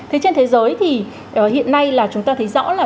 thế trên thế giới thì hiện nay là chúng ta thấy rõ là